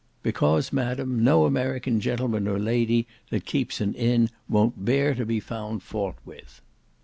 "Because, madam, no American gentleman or lady that keeps an inn won't bear to be found fault with."